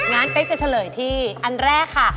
งั้นเป๊กจะเฉลยที่อันแรกค่ะ